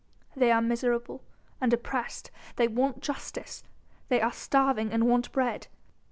They are miserable and oppressed, they want justice! They are starving and want bread.